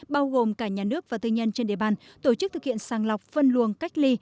bao gồm cả nhà nước và tư nhân trên địa bàn tổ chức thực hiện sàng lọc phân luồng cách ly